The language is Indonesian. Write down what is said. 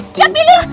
lho siapa pilih